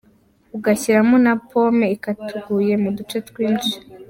Ugashyiramo na pomme ikataguye mu duce twinshi.